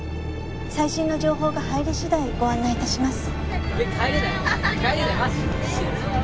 最新の情報が入り次第ご案内致します。